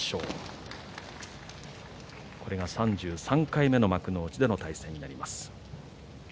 ３３回目の幕内での対戦になります。